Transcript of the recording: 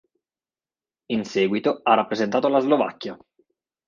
In seguito ha rappresentato la Slovacchia.